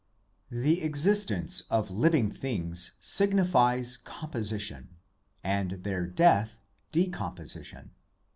The existence of living things signifies composition, and their death decomposition.